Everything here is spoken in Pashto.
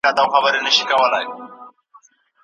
دا قلم زما دئ.